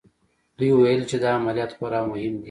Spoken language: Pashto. دوی ویل چې دا عملیات خورا مهم دی